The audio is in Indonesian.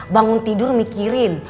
bangun tidur mikirin